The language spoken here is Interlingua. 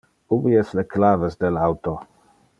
Ubi es le claves del auto?